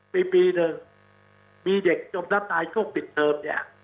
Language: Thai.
ปีบีหนึ่งมีเด็กจบต้านตายช่วงปิดเทิม